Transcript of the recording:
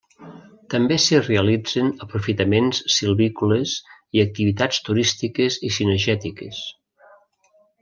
També s'hi realitzen aprofitaments silvícoles i activitats turístiques i cinegètiques.